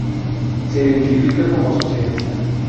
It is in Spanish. Se identifica como socialista.